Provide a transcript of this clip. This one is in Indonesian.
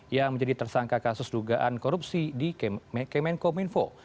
yang menjadi tersangka kasus dugaan korupsi di kemenkominfo